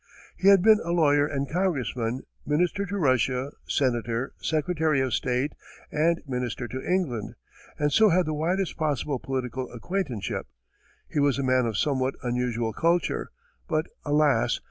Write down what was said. He had been a lawyer and congressman, minister to Russia, senator, secretary of state and minister to England, and so had the widest possible political acquaintanceship; he was a man of somewhat unusual culture; but, alas!